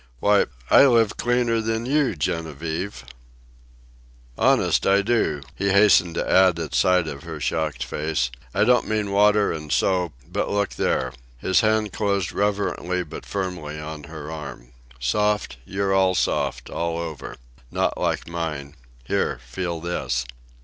Why, I live cleaner than you, Genevieve " "Honest, I do," he hastened to add at sight of her shocked face. "I don't mean water an' soap, but look there." His hand closed reverently but firmly on her arm. "Soft, you're all soft, all over. Not like mine. Here, feel this."